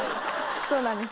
そうなんです。